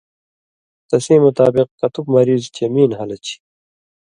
تسِیں مطابق کتُک مریض چے میں نھالہ چھی